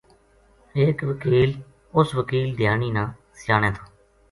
اُس وکیل دھیانی نا سیانے تھو